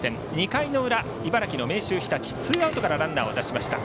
２回の裏、茨城の明秀日立ツーアウトからランナーを出しました。